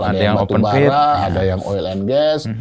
ada yang batu bara ada yang oil and gas